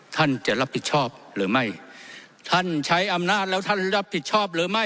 ท่านจะรับผิดชอบหรือไม่ท่านใช้อำนาจแล้วท่านรับผิดชอบหรือไม่